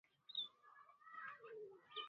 هغه ګټه چې مخکې عامه وه، وروسته سلایم انحصار کړه.